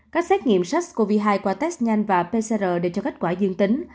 các xét nghiệm sars cov hai qua test nhanh và pcr đều cho kết quả dương tính